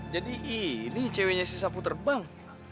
ini ceweknya si sapu terbang